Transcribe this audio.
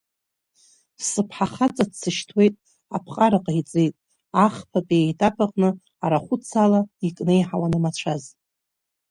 Сыԥҳа хаҵа дсышьҭуеит, аԥҟара ҟаиҵеит, ахԥатәи аетап аҟны арахәыц ала икнеиҳауан амацәаз.